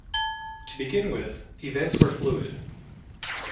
To begin with, events were fluid.